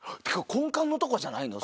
根幹のとこじゃないの？